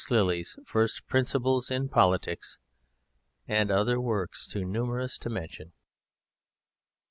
Lilly's First Principles in Politics, and other works too numerous to mention.